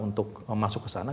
untuk masuk ke sana